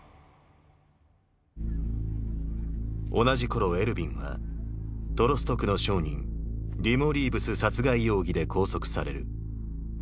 同じ頃エルヴィンはトロスト区の商人ディモ・リーブス殺害容疑で拘束される。